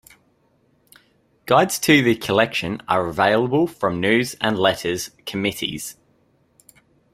Guides to the collection are available from News and Letters Committees.